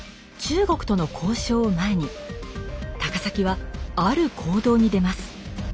中国との交渉を前に高碕はある行動に出ます。